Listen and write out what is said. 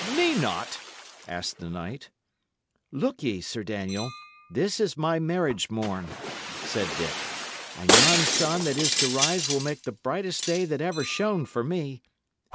May not?" asked the knight. "Look ye, Sir Daniel, this is my marriage morn," said Dick; "and yon sun that is to rise will make the brightest day that ever shone for me.